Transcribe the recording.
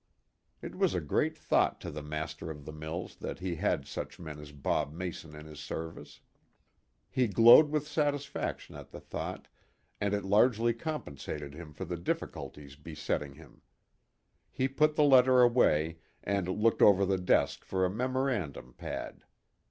It was a great thought to the master of the mills that he had such men as Bob Mason in his service. He glowed with satisfaction at the thought, and it largely compensated him for the difficulties besetting him. He put the letter away, and looked over the desk for a memorandum pad.